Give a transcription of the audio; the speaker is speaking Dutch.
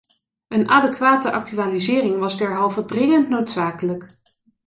Een adequate actualisering was derhalve dringend noodzakelijk.